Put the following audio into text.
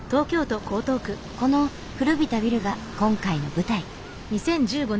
この古びたビルが今回の舞台。